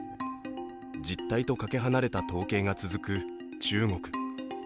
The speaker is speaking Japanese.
実態とかけ離れた統計が続く中国。